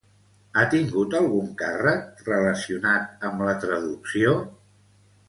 Ha tingut algun càrrec relacionat amb la traducció?